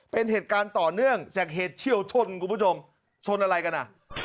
เป็นเหตุการณ์ต่อเนื่องจากเหตุเชี่ยวชน